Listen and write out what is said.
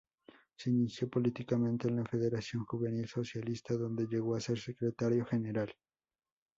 Se inició políticamente en la Federación Juvenil Socialista, donde llegó a ser secretario general.